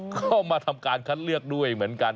ก็มาทำการคัดเลือกด้วยเหมือนกัน